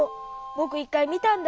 ぼくいっかいみたんだよ。